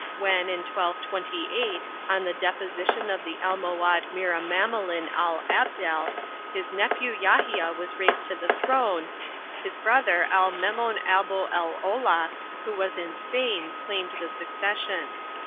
When, in 1228, on the deposition of the Almohad Miramamolin Al Abdel, his nephew Yahia was raised to the throne, his brother Al Memon Abo 1 Ola, who was in Spain, claimed the succession.